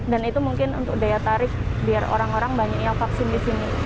dan itu mungkin untuk daya tarif biar orang orang banyak yang vaksin di sini